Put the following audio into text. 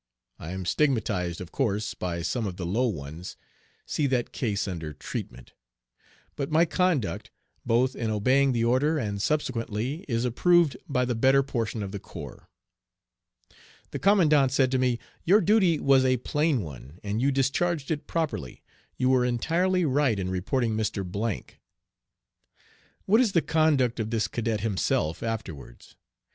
I am stigmatized, of course, by some of the low ones (see that case under "Treatment"); but my conduct, both in obeying the order and subsequently, is approved by the better portion of the corps. The commandant said to me: "Your duty was a plain one, and you discharged it properly. You were entirely right in reporting Mr. ." What is the conduct of this cadet himself afterwards?